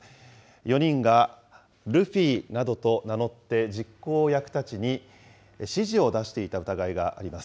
４人がルフィなどと名乗って、実行役たちに指示を出していた疑いがあります。